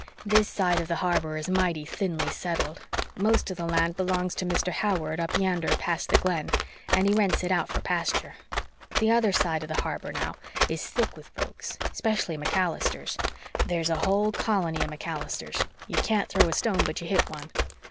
"This side of the harbor is mighty thinly settled. Most of the land belongs to Mr. Howard up yander past the Glen, and he rents it out for pasture. The other side of the harbor, now, is thick with folks 'specially MacAllisters. There's a whole colony of MacAllisters you can't throw a stone but you hit one.